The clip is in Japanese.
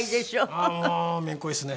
もうめんこいですね。